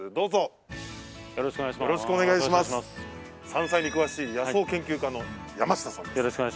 山菜に詳しい野草研究家の山下さんです。